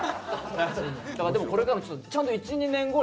でもこれからちゃんと１２年後に。